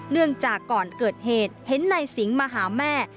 เนื่องจากก่อนเกิดเหตุเห็นนายสิงห์มาหาแม่